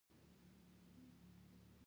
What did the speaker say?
د پامیر له لمنو څخه نیولې.